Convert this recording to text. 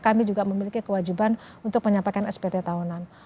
kami juga memiliki kewajiban untuk menyampaikan spt tahunan